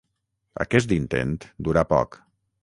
Aquest intent durà poc.